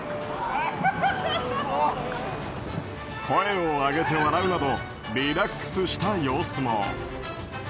声を上げて笑うなどリラックスした様子も。